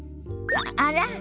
あら？